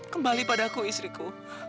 kembali padaku istriku